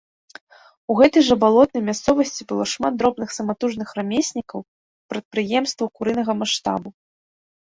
У гэтай жа балотнай мясцовасці было шмат дробных саматужных рамеснікаў, прадпрыемстваў курынага маштабу.